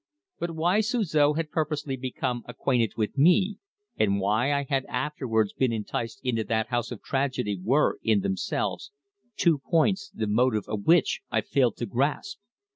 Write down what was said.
But why Suzor had purposely become acquainted with me, and why I had afterwards been enticed into that house of tragedy were, in themselves, two points, the motive of which I failed to grasp.